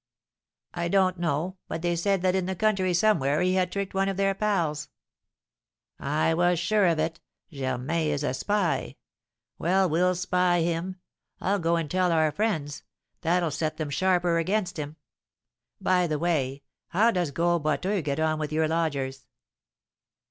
"I don't know, but they said that in the country somewhere he had tricked one of their pals." "I was sure of it, Germain is a spy. Well, we'll spy him! I'll go and tell our friends; that'll set them sharper against him. By the way, how does Gros Boiteux get on with your lodgers?"